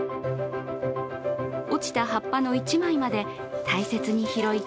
落ちた葉っぱの１枚まで大切に拾い